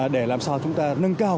để làm sao chúng ta nâng cao